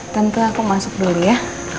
tentu aku masuk dulu ya